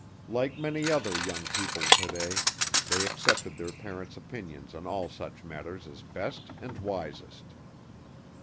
Like many other young people to day, they accepted their parents' opinions on all such matters as best and wisest.